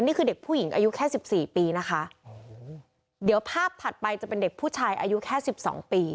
นี่คือเด็กผู้หญิงอายุแค่สิบสี่ปีนะคะโอ้โหเดี๋ยวภาพถัดไปจะเป็นเด็กผู้ชายอายุแค่สิบสองปี